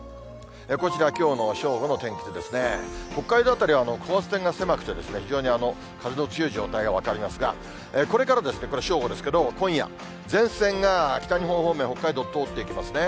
辺りは等圧線が狭くて、非常に風の強い状態が分かりますが、これから、これ正午ですけれども、今夜、前線が北日本方面、北海道通っていきますね。